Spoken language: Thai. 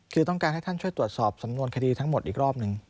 คือต้องการให้ท่านช่วยตรวจสอบสำนวนคดีทั้งหมดอีกรอบหนึ่ง